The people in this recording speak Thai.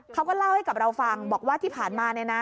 เขาก็เล่าให้กับเราฟังบอกว่าที่ผ่านมาเนี่ยนะ